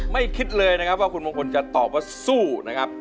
คิดเลยนะครับว่าคุณมงคลจะตอบว่าสู้นะครับ